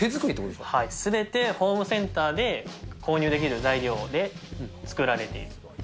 すべてホームセンターで購入できる材料で作られていると。